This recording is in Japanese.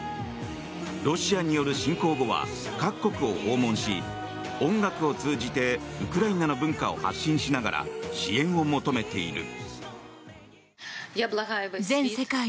ロシアによる侵攻後は各国を訪問し音楽を通じてウクライナの文化を発信しながら支援を求めている。